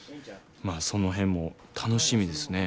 まあその辺も楽しみですね。